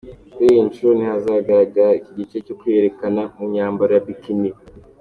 Kuri iyi nshuro ntihazagaragara iki gice cyo kwiyerekana mu myambaro ya ’Bikini’.